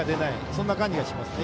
そんな感じがしますね